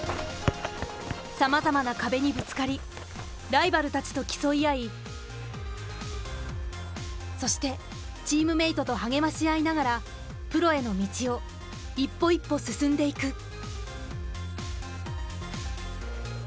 さまざまな壁にぶつかりライバルたちと競い合いそしてチームメートと励まし合いながらプロへの道を一歩一歩進んでいく。